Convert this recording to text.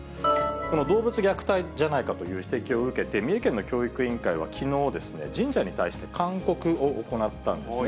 この動物虐待じゃないかという指摘を受けて、三重県の教育委員会はきのう、神社に対して勧告を行ったんですね。